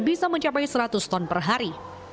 bisa mencapai seratus ton per hari